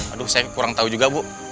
aduh saya kurang tahu juga bu